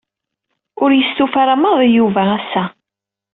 Ur yestufa ara maḍi Yuba ass-a.